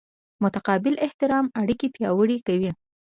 متقابل احترام اړیکې پیاوړې کوي.